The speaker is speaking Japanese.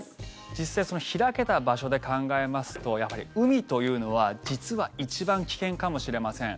実際開けた場所で考えますとやはり海というのは実は一番危険かもしれません。